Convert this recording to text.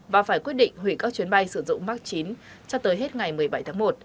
và phải quyết định hủy các chuyến bay sử dụng mark chín cho tới hết ngày một mươi bảy tháng một